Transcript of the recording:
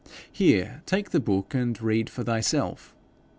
'Here, take the book, and read for thyself.